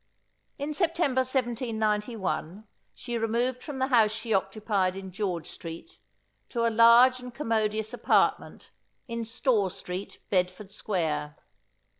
In September 1791, she removed from the house she occupied in George street, to a large and commodious apartment in Store street, Bedford square.